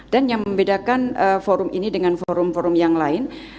dan yang membedakan forum ini dengan forum forum yang lain